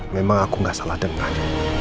memang aku nggak salah dengar